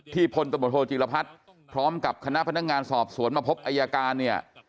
ที่พนธหจิลภัทภ์พร้อมกับคณะพนักงานสอบสวนมะพบอายการเนี่ย